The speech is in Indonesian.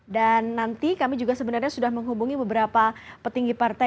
dan nanti kami juga sebenarnya sudah menghubungi beberapa petinggi partai